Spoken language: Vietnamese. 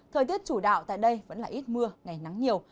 thời tiết chủ đạo tại đây vẫn là ít mưa ngày nắng nhiều